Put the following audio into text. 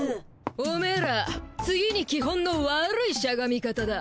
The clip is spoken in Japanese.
おめえら次に基本のわるいしゃがみ方だ。